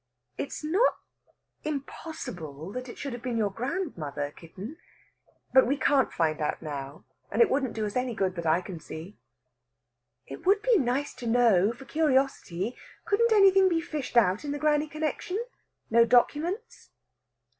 "It's not impossible that it should have been your grandmother, kitten. But we can't find out now. And it wouldn't do us any good that I can see." "It would be nice to know for curiosity. Couldn't anything be fished out in the granny connexion? No documents?"